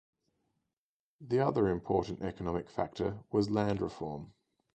The other important economic factor was land reform.